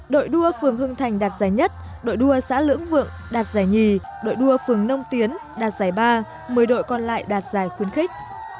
đội đua phường hưng thành đạt giá nhất đội đua xã lưỡng vượng đạt giá nhì đội đua phường nông tiến đạt giá ba một mươi đội còn lại đạt giá khuyến khích